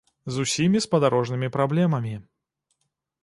З усімі спадарожнымі праблемамі.